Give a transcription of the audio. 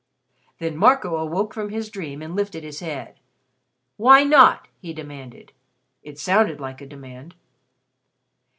Then Marco awoke from his dream and lifted his head. "Why not?" he demanded. It sounded like a demand.